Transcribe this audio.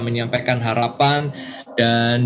menyampaikan harapan dan